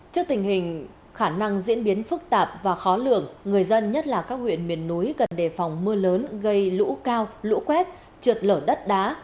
trước tình hình khả năng diễn biến phức tạp và khó lường người dân nhất là các huyện miền núi cần đề phòng mưa lớn gây lũ cao lũ quét trượt lở đất đá